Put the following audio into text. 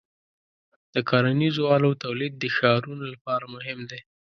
د کرنیزو آلو تولید د ښارونو لپاره مهم دی.